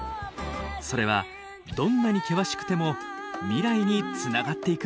それはどんなに険しくても未来につながっていくんです。